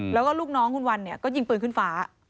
แล้วก็ลูกน้องคุณวันก็ยิงปืนขึ้นฝา